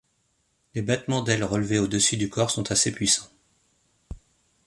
Les battements d'ailes relevées au-dessus du corps sont assez puissants.